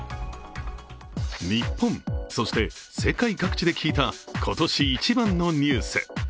日本、そして世界各地で聞いた今年１番のニュース。